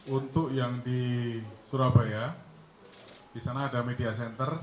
untuk yang di surabaya disana ada media center